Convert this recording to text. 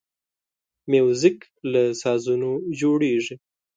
موزیک له سازونو جوړیږي.